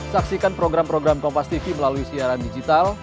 saksikan program program kompastv melalui siaran digital